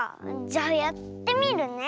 じゃあやってみるね。